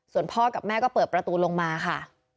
ส่วนพ่อกับแม่ก็เปิดประตูลงมาค่ะ